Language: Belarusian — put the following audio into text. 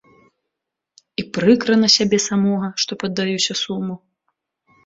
І прыкра на сябе самога, што паддаюся суму.